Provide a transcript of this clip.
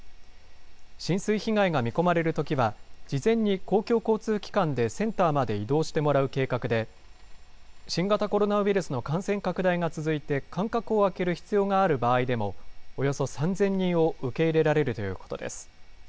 浸水被害が見込まれるときは、事前に公共交通機関でセンターまで移動してもらう計画で、新型コロナウイルスの感染拡大が続いて、間隔を空ける必要がある場合でも、およそ３０００人を受け入れられるということです。